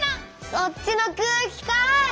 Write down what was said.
そっちの空気かい！